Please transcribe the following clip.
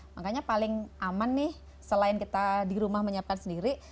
makanya paling aman nih selain kita di rumah menyiapkan sendiri